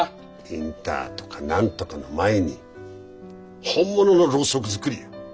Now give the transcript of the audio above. インターとか何とかの前に本物のろうそく作りや。